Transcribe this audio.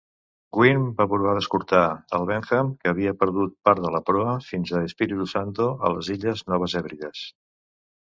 "Gwin" va provar d'escortar el "Benham", que havia perdut part de la proa, fins a Espiritu Santo, a les illes Noves Hèbrides.